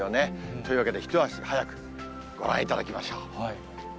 というわけで、一足早くご覧いただきましょう。